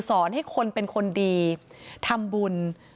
สอนให้คนเป็นคนดีทำบุญ